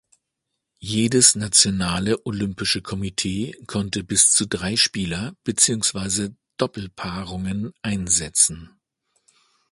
Jedes Nationale Olympische Komitee konnte bis zu drei Spieler, beziehungsweise Doppelpaarungen einsetzen.